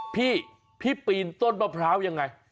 พี่พี่ปีนต้นมะพร้าวยังไง